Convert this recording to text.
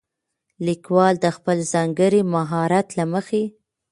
ليکوال د خپل ځانګړي مهارت له مخې